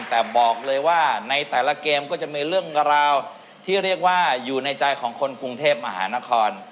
แต่บอกเลยว่าในแต่ละเกมก็จะมีเรื่องราวที่เรียกว่าอยู่ในใจของคนกรุงเทพมหานคร